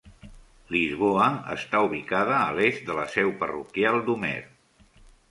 Lisboa està ubicada a l'est de la seu parroquial d'Homer.